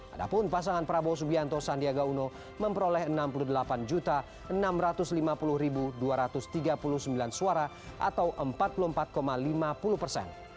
adapun pasangan prabowo subianto sandiaga uno memperoleh enam puluh delapan enam ratus lima puluh dua ratus tiga puluh sembilan suara atau empat puluh empat lima puluh persen